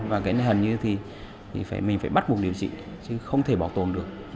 và cái này hẳn như thì mình phải bắt buộc điều trị chứ không thể bảo tồn được